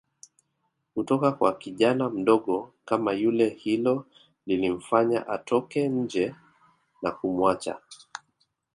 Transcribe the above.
kutoka kwa kijana mdogo kama yule hilo lilimfanya atoke nje na kumuacha